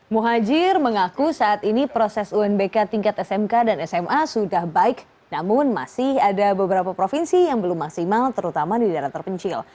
muhajir mengaku saat ini proses unbk tingkat smk dan sma sudah baik namun masih ada beberapa provinsi yang belum maksimal terutama di daerah terpencil